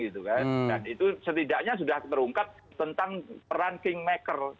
dan itu setidaknya sudah terungkap tentang peran kingmaker